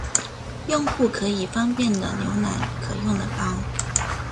用户可以方便的浏览可用的包。